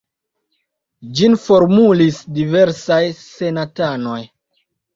Ĝin formulis diversaj senatanoj.